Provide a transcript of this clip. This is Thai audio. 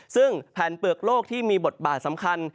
ซึ่งแผ่นเปลือกโลกที่มีบทบาทสำคัญ